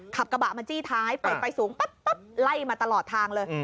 ขับกระบะมาจี้ท้ายเปิดไฟสูงปั๊บไล่มาตลอดทางเลย